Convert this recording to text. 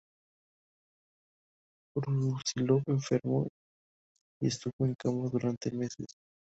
Brusílov enfermó y estuvo en cama durante meses.